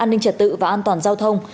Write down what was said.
an ninh trật tự và an toàn giao thông